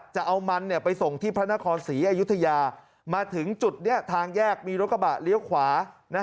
จะเอามันไปส่งที่พระนครศรีอยุธยามาถึงจุดนี้ทางแยกมีรถกระบะเลี้ยวขวา